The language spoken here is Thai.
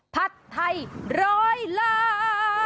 ผัดไทยร้อยล้าน